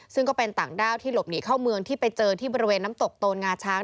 ซึ่งก็เป็นต่างด้าวที่หลบหนีเข้าเมืองที่ไปเจอที่บริเวณน้ำตกโตนงาช้าง